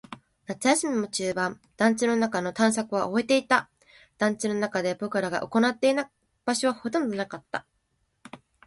夏休みも中盤。団地の中の探索は終えていた。団地の中で僕らが行っていない場所はほとんどなかった。